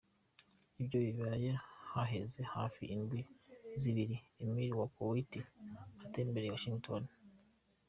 Ivyo bibaye haheze hafi indwi zibiri Emir wa Koweit atembereye Washington.